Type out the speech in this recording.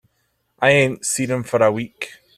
I ain't seen him for a week.